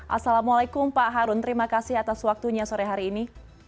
assalamualaikum pak harun terima kasih atas waktunya sore hari ini